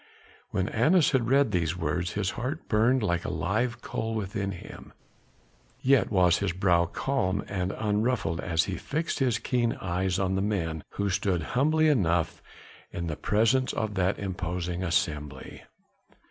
When Annas had read these words, his heart burned like a live coal within him. Yet was his brow calm and unruffled as he fixed his keen eyes on the men who stood humbly enough in the presence of that imposing assembly.